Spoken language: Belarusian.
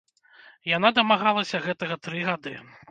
Яна дамагалася гэтага тры гады.